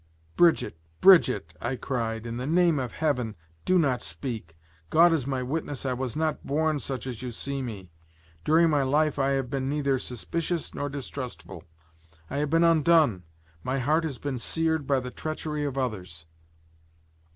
"Brigitte! Brigitte!" I cried, "in the name of Heaven, do not speak! God is my witness I was not born such as you see me; during my life I have been neither suspicious nor distrustful, I have been undone, my heart has been seared by the treachery of others.